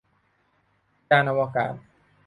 ยานอวกาศ